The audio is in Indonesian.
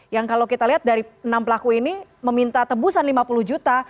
yang kalau kita lihat dari enam pelaku ini meminta tebusan lima puluh juta